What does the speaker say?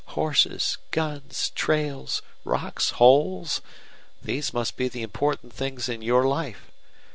Horses, guns, trails, rocks, holes these must be the important things in your life.